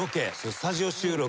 スタジオ収録。